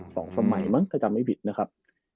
สองสมัยมั้งถ้าจำไม่ผิดนะครับ